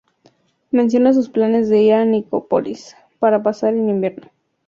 Menciona sus planes de ir a Nicópolis para pasar el invierno.